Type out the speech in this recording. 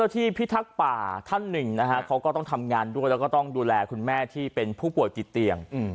ที่พิทักษ์ป่าท่านหนึ่งนะฮะเขาก็ต้องทำงานด้วยแล้วก็ต้องดูแลคุณแม่ที่เป็นผู้ป่วยติดเตียง